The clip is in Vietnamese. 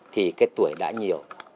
thì cái tuổi đã nhiều